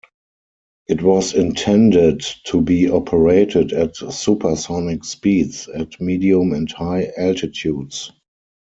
It was intended to be operated at supersonic speeds at medium and high altitudes.